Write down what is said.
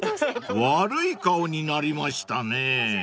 ［悪い顔になりましたね］